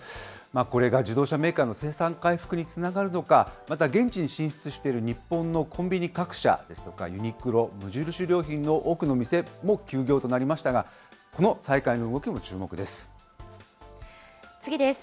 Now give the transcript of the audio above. これが自動車メーカーの生産回復につながるのか、また現地に進出している日本のコンビニ各社ですとか、ユニクロ、無印良品の多くの店も休業となりましたが、この次です。